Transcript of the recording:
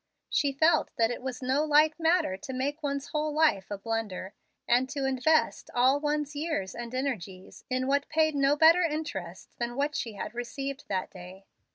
She felt that it was no light matter to make one's whole life a blunder, and to invest all one's years and energies in what paid no better interest than she had received that day.